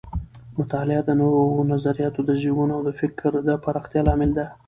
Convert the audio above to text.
مطالعه د نوو نظریاتو د زیږون او د فکر د پراختیا لامل ده.